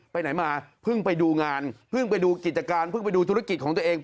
ไปไหนมาเพิ่งไปดูงานเพิ่งไปดูกิจการเพิ่งไปดูธุรกิจของตัวเอง